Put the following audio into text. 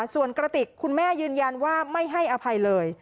ส่วนกระติกคุณแม่ยืนยันว่าไม่ให้อภัยเลย